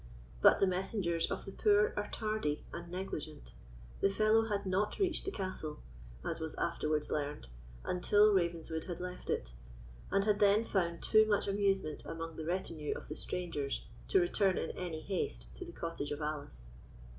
But the messengers of the poor are tardy and negligent: the fellow had not reached the castle, as was afterwards learned, until Ravenswood had left it, and had then found too much amusement among the retinue of the strangers to return in any haste to the cottage of Alice.